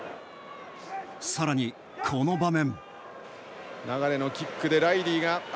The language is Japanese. さらに、この場面。